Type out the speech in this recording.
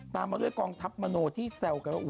ตามมาด้วยกองทับมโนที่แซวกัน